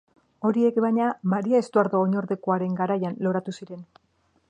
Horiek, baina, Maria Estuardo oinordekoaren garaian loratu ziren.